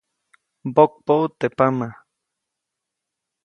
Mbokpäʼut teʼ pama.